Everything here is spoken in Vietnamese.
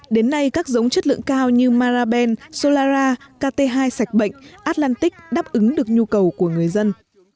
đến nay các giống chất lượng cao như maraben solara kt hai sạch bệnh atlantic đáp ứng được nhu cầu của người dân